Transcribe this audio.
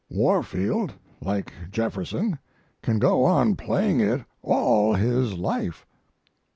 Warfield, like Jefferson, can go on playing it all his life."